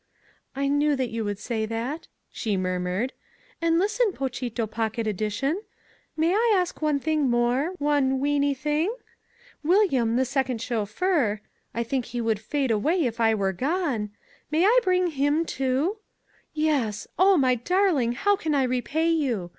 "I knew that you would say that," she murmured, "and listen, pochito pocket edition, may I ask one thing more, one weeny thing? William, the second chauffeur I think he would fade away if I were gone may I bring him, too? Yes! O my darling, how can I repay you?